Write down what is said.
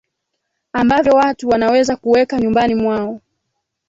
ambavyo watu wanaweza kuweka nyumbani mwao